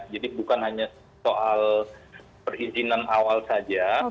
jadi bukan hanya soal perizinan awal saja